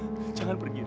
ratu jangan pergi